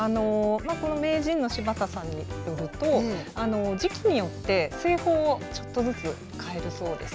この名人の柴田さんによると、時期によって製法をちょっとずつ変えるそうです。